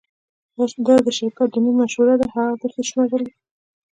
دا د شرکت د نوم مشوره ده هغې ګوتې وشمیرلې